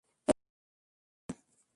এটা তার ব্যক্তিগত একাউন্ট না।